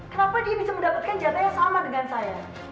kenapa dia bisa mendapatkan jatah yang sama dengan saya